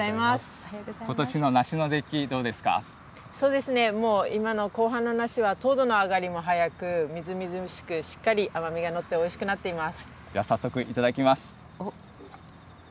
ことしの梨の出来、どうですそうですね、もう今の後半の梨は糖度の上がりも早く、みずみずしくしっかり甘みが乗って、おいしくなっています。